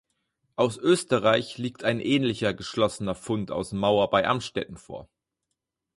Aus Österreich liegt ein ähnlicher geschlossener Fund aus Mauer bei Amstetten vor.